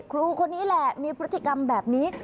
ครูคนนี้แหละมีพฤติกรรมแบบนี้